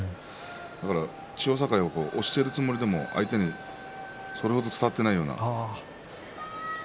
だから千代栄は押しているつもりでも相手にそれ程伝わっていないような。